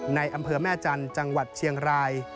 อำเภอแม่จันทร์จังหวัดเชียงราย